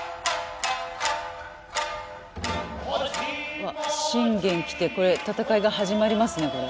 うわっ信玄来てこれ戦いが始まりますねこれ。